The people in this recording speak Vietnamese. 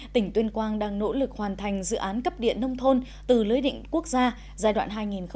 tỉnh tuyên quang đang nỗ lực hoàn thành dự án cấp điện nông thôn từ lưới điện quốc gia giai đoạn hai nghìn một mươi sáu hai nghìn hai mươi